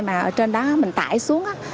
mà ở trên đó mình tải xuống